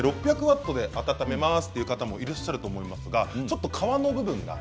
６００ワットで温めますという方もいらっしゃると思いますがちょっと皮の部分が。